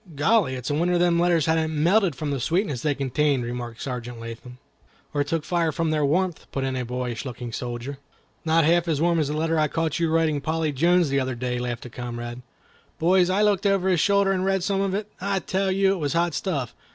"Golly! it's a wonder them letters hadn't melted from the sweetness they contained," remarked Sergeant Latham. "Or took fire from their warmth," put in a boyish looking soldier. "Not half as warm as the letter I caught you writing to Polly Jones the other day," laughed a comrade. "Boys, I looked over his shoulder and read some of it. I tell you it was hot stuff.